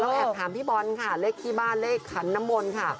แอบถามพี่บอลค่ะเลขที่บ้านเลขขันน้ำมนต์ค่ะ